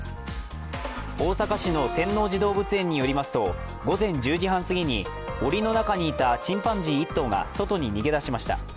大阪市の天王寺動物園によりますと、午前１０時半過ぎにおりの中にいたチンパンジー１頭が外に逃げ出しました。